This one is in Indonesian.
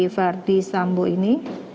ferdis sambu ini